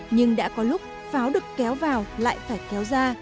nhưng đã có lúc pháo được kéo vào lại phải kéo ra